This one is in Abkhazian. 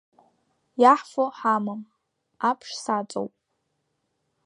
Иаҳфо ҳамам, аԥш саҵоуп!